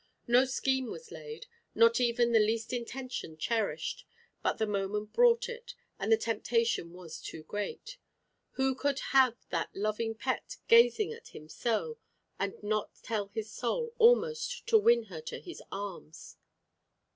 No scheme was laid, not even the least intention cherished; but the moment brought it, and the temptation was too great. Who could have that loving pet gazing at him so, and not sell his soul almost to win her to his arms?